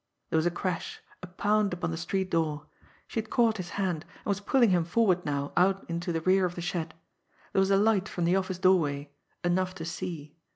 There was a crash, a pound upon the street door. She had caught his hand, and was pulling him forward now out into the rear of the shed. There was a light from the office doorway enough to see.